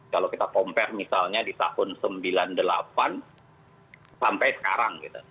kalau kita compare misalnya di tahun seribu sembilan ratus sembilan puluh delapan sampai sekarang gitu